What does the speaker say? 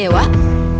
tante mau ke tempatnya